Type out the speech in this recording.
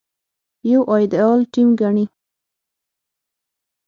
يو ايديال ټيم ګڼي.